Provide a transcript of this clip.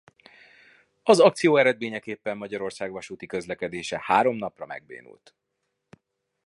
Az akció eredményeképpen Magyarország vasúti közlekedése három napra megbénult.